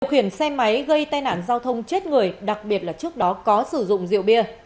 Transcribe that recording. điều khiển xe máy gây tai nạn giao thông chết người đặc biệt là trước đó có sử dụng rượu bia